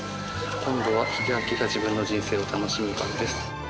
今度は秀明が自分の人生を楽しむ番です。